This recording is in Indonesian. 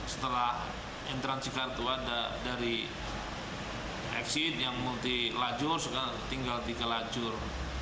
setelah interansi kartu ada dari exit yang multi lajur tinggal tiga lajur